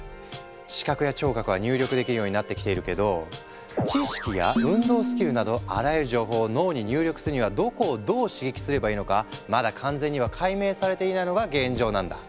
視覚や聴覚は入力できるようになってきているけど知識や運動スキルなどあらゆる情報を脳に入力するにはどこをどう刺激すればいいのかまだ完全には解明されていないのが現状なんだ。